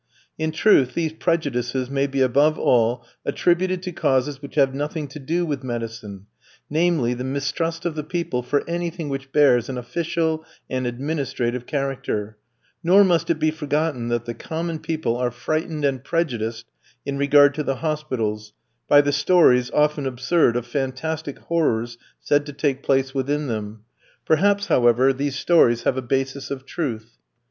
In truth, these prejudices may be above all attributed to causes which have nothing to do with medicine, namely, the mistrust of the people for anything which bears an official and administrative character; nor must it be forgotten that the common people are frightened and prejudiced in regard to the hospitals, by the stories, often absurd, of fantastic horrors said to take place within them. Perhaps, however, these stories have a basis of truth.